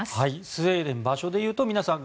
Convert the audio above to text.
スウェーデン場所でいうとみなさん